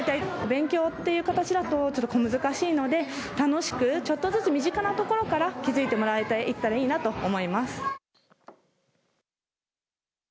勉強という形だと難しいので楽しくちょっとずつ身近なところから気づいてもらえていったらいいなと思います。